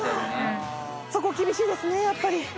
そこ厳しいですねやっぱり。